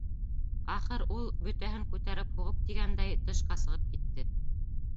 Ахыр ул, бөтәһен күтәреп һуғып тигәндәй, тышҡа сығып китте.